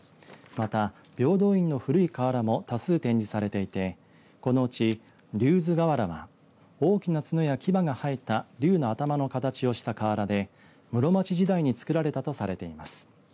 また、平等院の古い瓦も多数展示されていてこのうち龍頭瓦は大きな角や牙が生えた龍の頭の形をした瓦で室町時代に作られたとされています。